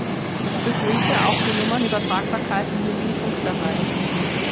Ich begrüße auch die Nummernübertragbarkeit im Mobilfunkbereich.